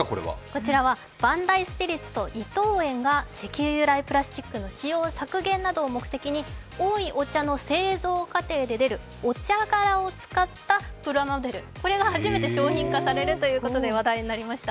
こちらはバンダイスピリッツと伊藤園が石油由来プラスチックの使用削減などを目的においお茶の製造過程で出るお茶殻を使ったプラモデル、これが初めて発売されるということで話題になりました。